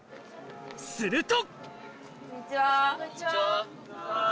すると！